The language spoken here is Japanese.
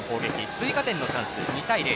追加点のチャンス、２対０。